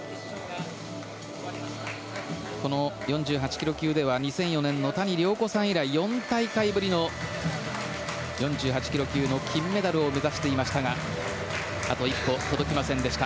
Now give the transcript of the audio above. この４８ｋｇ級では２００４年の谷亮子さん以来４大会ぶりの、４８ｋｇ級の金メダルを目指していましたがあと一歩届きませんでした。